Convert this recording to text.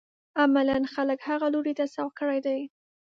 عملاً خلک هغه لوري ته سوق کړي دي.